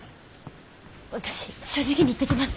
私正直に言ってきます！